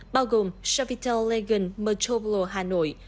bao gồm chevitell legan metropolo hà nội